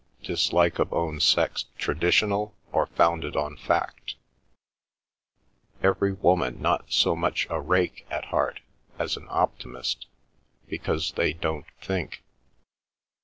Dislike of own sex traditional, or founded on fact? Every woman not so much a rake at heart, as an optimist, because they don't think.